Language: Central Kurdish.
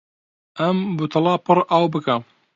ئەم بوتڵە پڕ ئاو بکە.